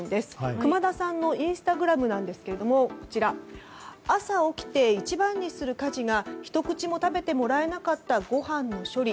熊田さんのインスタグラムなんですが朝起きて一番にする家事がひと口も食べてもらえなかったご飯の処理。